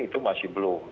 itu masih belum